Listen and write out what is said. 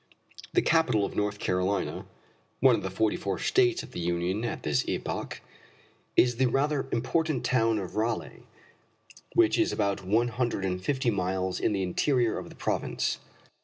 The capital of North Carolina one of the forty four states of the Union at this epoch is the rather important town of Raleigh, which is about one hundred and fifty miles in the interior of the province.